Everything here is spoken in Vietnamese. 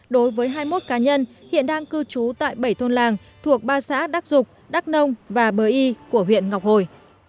đối với hai mươi một cá nhân hiện đang cư trú tại bảy thôn làng thuộc ba xã đắc dục đắc nông và bờ y của huyện ngọc hồi